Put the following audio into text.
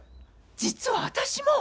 実は私も！